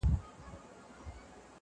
ساقي وه را بللي رقیبان څه به کوو؟-